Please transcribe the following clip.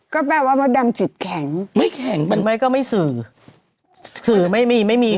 ก็แปลว่ามดดำจิตแข็งไม่แข็งมันไม่ก็ไม่สื่อสื่อไม่มีไม่มี